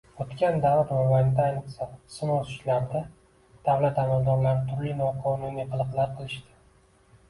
O‘tgan davr mobaynida ayniqsa snos ishlarida davlat amaldorlari turli noqonuniy qiliqlar qilishdi.